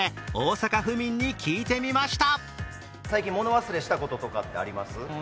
そこで大阪府民に聞いてみました。